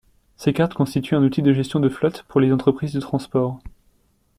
Ces cartes constituent un outil de gestion de flotte pour les entreprises de transport.